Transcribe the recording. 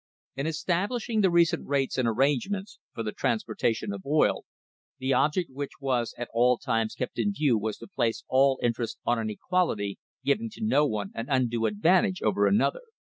In establishing the recent rates and arrangements for the transportation of oil, the object which was at all times kept in view was to place all interests on an equality, giving to no one an undue advantage over any other.